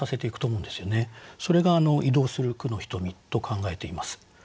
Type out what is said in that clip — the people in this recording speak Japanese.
それが「移動する『句のひとみ』」と考えています。